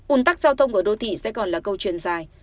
ún tắc giao thông của đô thị sẽ còn là câu chuyện dài